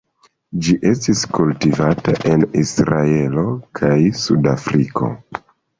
Ĝi estis kultivata en Israelo kaj Sudafriko.